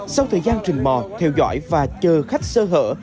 sau thời gian trình mò theo dõi và chờ khách sơ hở